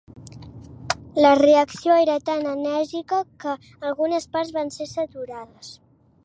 La reacció era tan enèrgica que algunes parts van ser censurades.